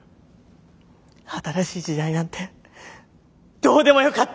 新しい時代なんてどうでもよかった！